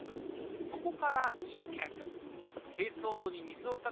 そこから実験！